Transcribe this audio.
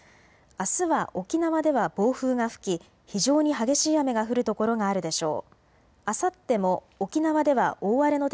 あすは沖縄では暴風が吹き非常に激しい雨が降る所があるでしょう。